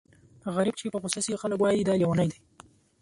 غريب چې په غوسه شي خلک وايي دا لېونی دی.